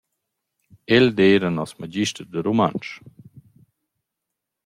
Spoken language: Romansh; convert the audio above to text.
El eira nos magister da rumantsch.